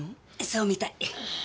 そうみたい。